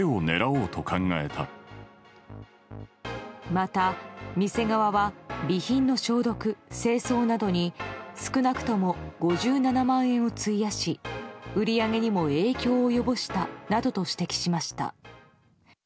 また、店側は備品の消毒・清掃などに少なくとも５７万円を費やし売り上げにも影響を及ぼしたなどと指摘しました。